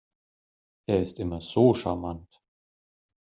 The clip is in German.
Er ist immer so charmant.